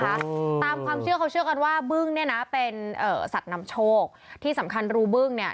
อืมตามความเชื่อเขาเชื่อกันว่าบึ้งเนี้ยนะเป็นเอ่อสัตว์นำโชคที่สำคัญรูบึ้งเนี้ย